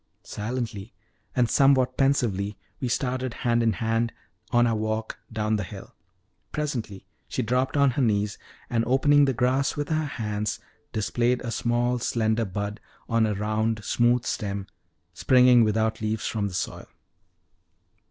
Silently, and somewhat pensively, we started hand in hand on our walk down the hill. Presently she dropped on her knees, and opening the grass with her hands, displayed a small, slender bud, on a round, smooth stem, springing without leaves from the soil.